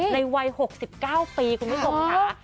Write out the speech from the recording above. ในวัย๖๙ปีคุณผู้ชมค่ะ